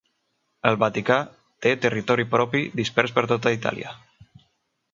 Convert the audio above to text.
El Vaticà té territori propi dispers per tota Itàlia.